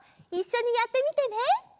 いっしょにやってみてね。